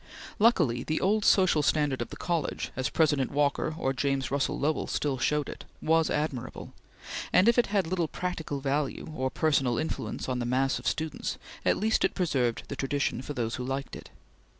Luckily the old social standard of the college, as President Walker or James Russell Lowell still showed it, was admirable, and if it had little practical value or personal influence on the mass of students, at least it preserved the tradition for those who liked it.